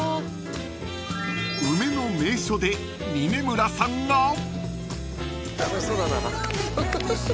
［梅の名所で峯村さんが］